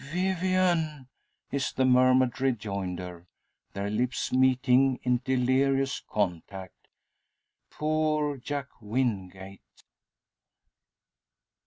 "Vivian!" is the murmured rejoinder, their lips meeting in delirious contact. Poor Jack Wingate!